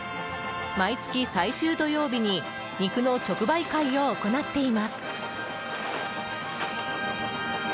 毎月、最終土曜日に肉の直売会を行っています。